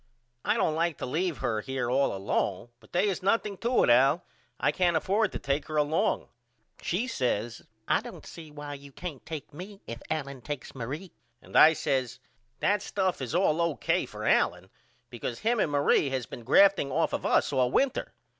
I don't like to leave her here all alone but they is nothing to it Al I can't afford to take her along. She says I don't see why you can't take me if Allen takes Marie. And I says That stuff is all O.K. for Allen because him and Marie has been grafting off of us all winter.